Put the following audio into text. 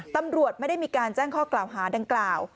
ตำรวจไม่ได้มีการแจ้งข้อกล่าวหาดังกล่าว